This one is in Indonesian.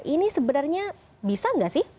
ini sebenarnya bisa nggak sih